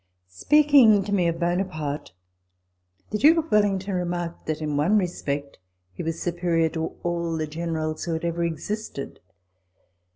Speaking to me of Buonaparte, the Duke of Wellington remarked, that in one respect he was superior to all the generals who had ever existed.